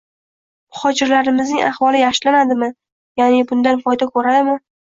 Muhojirlarimizning ahvoli yaxshilanadimi, ya'ni bundan foyda ko'radimi?